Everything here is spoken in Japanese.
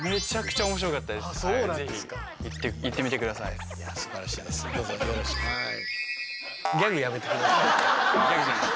すばらしいです。